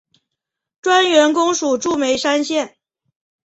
专员公署驻眉山县。